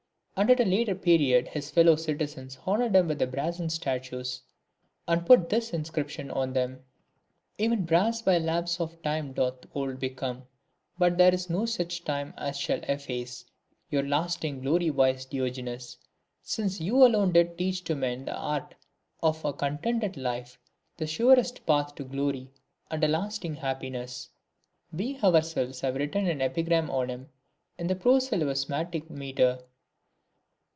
And at a later period his fellow DIOGENES. 247 citizens honoured him with brazen statues, and put this inscription on them :— E'en brass by lapse of time doth old become, But there is no such time as shall efface, Your lasting glory, wise ~_0~~_ , Since you alone did teach to men the art Of a contented life : the surest path To glory and a lasting happiness. We ourselves have also written an epigram on him in the proceleusmatic metre.